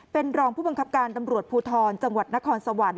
เป็นรองผู้บังคับการตำรวจภูทรจังหวัดนครสวรรค์